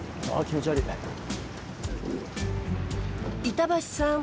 板橋さん